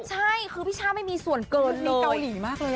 ใช่คือพี่ช่าไม่มีส่วนเกินเลย